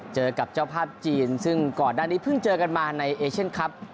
เจอกับเจ้าภาพจีนซึ่งก่อนหน้านี้เพิ่งเจอกันมาในเอเชียนครับ